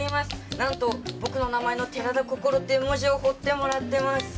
なんと僕の名前の「寺田心」という文字を彫ってもらっています。